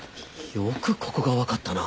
よくここが分かったな。